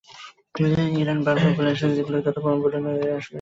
Iran বরাবরই বলে আসছে, যেগুলোকে তথ্যপ্রমাণ বলে দাবি করা হচ্ছে, সেগুলো আসলে জাল।